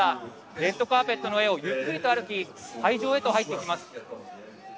レッドカーペットの上をゆっくりと歩き、会場へと入っていきます。